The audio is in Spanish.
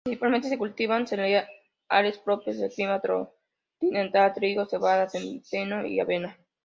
Principalmente, se cultivan cereales propios del clima continental: trigo, cebada, centeno y avena.